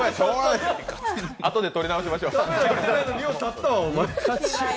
後で撮り直しましょう。